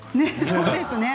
そうですね。